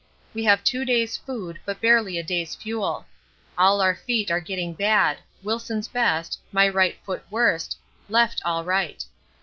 We have two days' food but barely a day's fuel. All our feet are getting bad Wilson's best, my right foot worst, left all right.